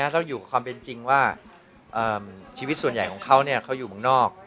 ต้องอยู่กับความเป็นจริงว่าชีวิตส่วนใหญ่ของเขาเขาอยู่เมืองนอก